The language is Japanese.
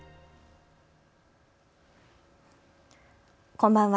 こんばんは。